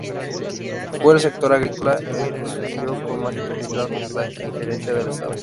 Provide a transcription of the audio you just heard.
Fue el sector agrícola el que sufrió con más intensidad la injerencia del Estado.